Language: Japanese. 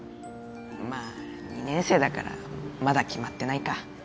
まあ２年生だからまだ決まってないか。